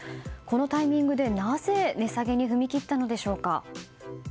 このタイミングで、なぜ値下げに踏み切ったのでしょうか。